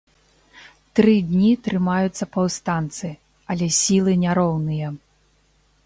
Тры дні трымаюцца паўстанцы, але сілы няроўныя.